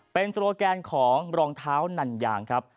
เป็นโซโลแกนของรองเท้านั่นยางครับ